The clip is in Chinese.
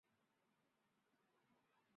长滩河流过本乡全境。